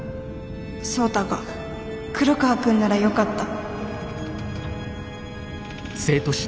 創太が黒川君ならよかった」。